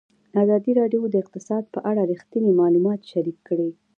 ازادي راډیو د اقتصاد په اړه رښتیني معلومات شریک کړي.